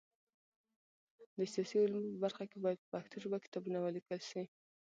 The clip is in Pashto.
د سیاسي علومو په برخه کي باید په پښتو ژبه کتابونه ولیکل سي.